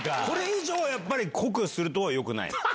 これ以上やっぱり、濃くするとよくない？